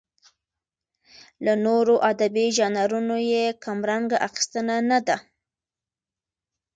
له نورو ادبي ژانرونو یې کمرنګه اخیستنه نه ده.